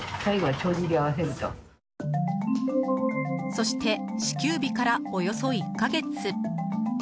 そして、支給日からおよそ１か月。